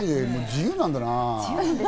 自由なんだな。